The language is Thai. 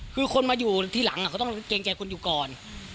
คือคนมาอยู่ทีหลังเขาต้องเกรงใจคุณอยู่ก่อน